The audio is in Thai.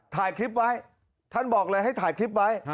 ถ่ายคลิปไว้ท่านบอกเลยให้ถ่ายคลิปไว้